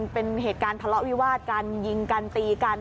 เป็นเหตุการณ์ทะเลาะวิวาดกันยิงกันตีกัน